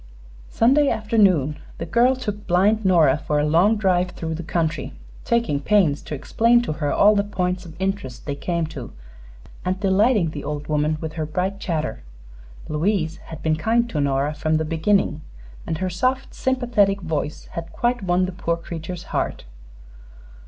Sunday afternoon the girl took blind Nora for a long drive through the country, taking pains to explain to her all the points of interest they came to, and delighting the old woman with her bright chatter. Louise had been kind to Nora from the beginning, and her soft, sympathetic voice had quite won the poor creature's heart.